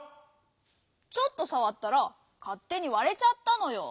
⁉ちょっとさわったらかっ手にわれちゃったのよ。